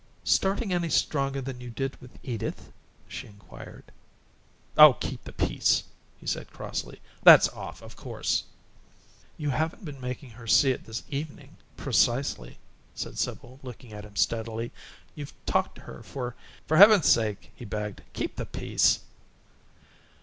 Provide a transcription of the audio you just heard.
"Starting any stronger than you did with Edith?" she inquired. "Oh, keep the peace!" he said, crossly. "That's off, of course." "You haven't been making her see it this evening precisely," said Sibyl, looking at him steadily. "You've talked to her for " "For Heaven's sake," he begged, "keep the peace!"